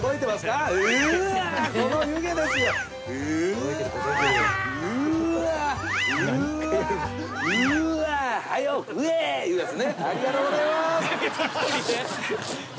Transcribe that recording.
ありがとうございます。